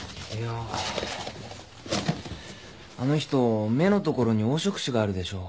あの人目のところに黄色腫があるでしょ？